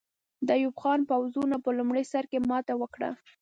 د ایوب خان پوځونو په لومړي سر کې ماته وکړه.